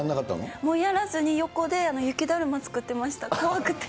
もうやらずに、横で雪だるま作ってました、怖くて。